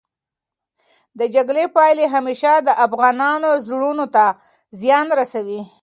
د جګړې پايلې همېشه د افغانانو زړونو ته زیان رسوي.